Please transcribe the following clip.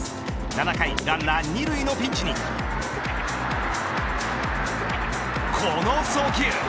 ７回ランナー二塁のピンチにこの送球。